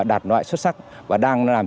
đạt loại xuất sắc và đang làm